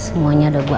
udah jangan balik